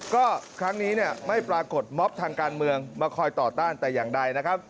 ก็ครั้งนี้เนี่ยไม่ปรากฏม็อบทางการเมืองมาคอยต่อต้านแต่อย่างใดนะครับ